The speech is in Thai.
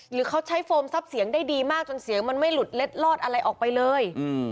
หรือเขาใช้โฟมทรัพย์เสียงได้ดีมากจนเสียงมันไม่หลุดเล็ดลอดอะไรออกไปเลย